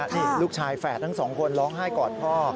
นี่ลูกชายแฝดทั้งสองคนร้องไห้กอดพ่อ